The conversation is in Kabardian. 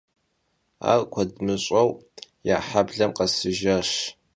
Ar kued mış'eu ya heblem khesıjjaş.